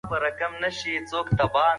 د ټولنو تکامل د تجربو له لارې ارزول کیږي.